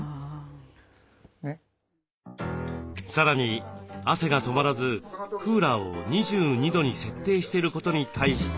さらに汗が止まらずクーラーを２２度に設定していることに対しては？